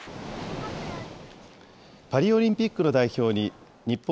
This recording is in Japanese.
パリオリンピックの代表に、日本